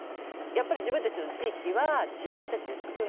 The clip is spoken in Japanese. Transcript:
やっぱり自分たちの地域は自分たちで作んなきゃいけない。